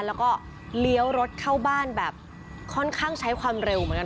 แล้วก็เลี้ยวรถเข้าบ้านแบบค่อนข้างใช้ความเร็วเหมือนกัน